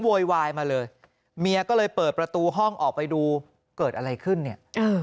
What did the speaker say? โวยวายมาเลยเมียก็เลยเปิดประตูห้องออกไปดูเกิดอะไรขึ้นเนี่ย